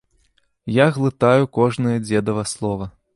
Я глытаю кожнае дзедава слова.